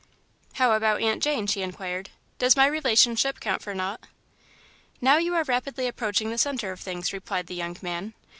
"How about Aunt Jane?" she inquired. "Does my relationship count for naught?" "Now you are rapidly approaching the centre of things," replied the young man.